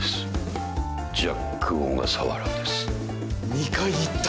２回言った。